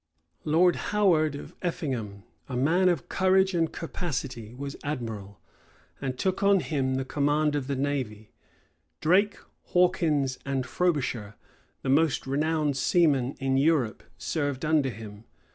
Lord Howard of Effingham, a man of courage and capacity, was admiral, and took on him the command of the navy: Drake, Hawkins, and Frobisher, the most renowned seamen in Europe, served under him.